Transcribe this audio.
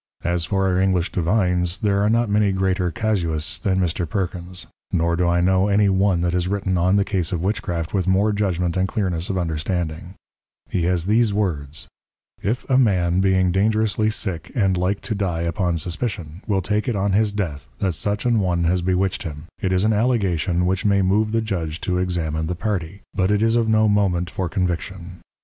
_ As for our English Divines, there are not many greater Casuists than Mr. Perkins; nor do I know any one that has written on the Case of Witchcraft with more Judgment and Clearness of Understanding: He has these Words, "If a Man being dangerously sick and like to die upon suspicion, will take it on his death, that such an one has bewitched him, it is an allegation which may move the Judge to examine the Party, but it is of no moment for Conviction."